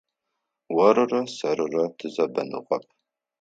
Орырэ сэрырэ тызэбэныгъэп.